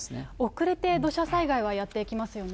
遅れて土砂災害はやって来ますよね。